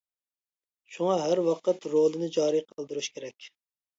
شۇڭا، ھەر ۋاقىت رولىنى جارى قىلدۇرۇش كېرەك.